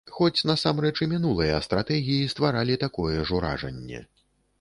Хоць насамрэч і мінулыя стратэгіі стваралі такое ж уражанне.